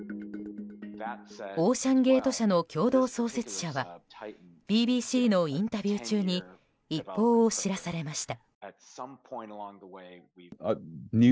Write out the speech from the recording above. オーシャン・ゲート社の共同創設者はＢＢＣのインタビュー中に一報を知らされました。